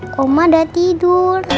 koma udah tidur